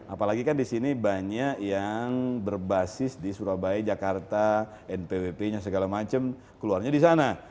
apalagi kan di sini banyak yang berbasis di surabaya jakarta npwp nya segala macam keluarnya di sana